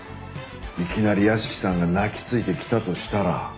いきなり屋敷さんが泣きついてきたとしたら。